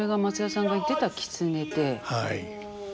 はい。